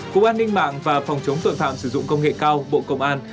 cục an ninh mạng và phòng chống tội phạm sử dụng công nghệ cao bộ công an